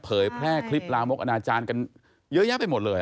เผยแพร่คลิปลามกอนาจารย์กันเยอะแยะไปหมดเลย